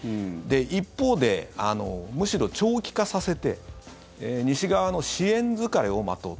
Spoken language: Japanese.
一方で、むしろ長期化させて西側の支援疲れを待とうと。